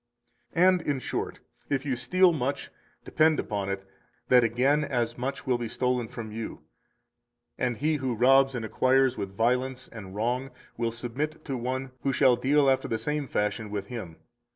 245 And, in short, if you steal much, depend upon it that again as much will be stolen from you; and lie who robs and acquires with violence and wrong will submit to one who shall deal after the same fashion with him.